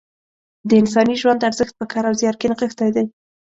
د انساني ژوند ارزښت په کار او زیار کې نغښتی دی.